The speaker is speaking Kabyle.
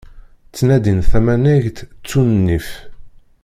Ttnadin tamanegt, ttun nnif.